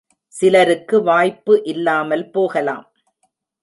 சிலருக்கு வாய்ப்பு இல்லாமல் போகலாம்.